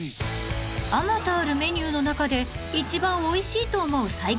［あまたあるメニューの中で一番おいしいと思う最強の丼は何なのか？］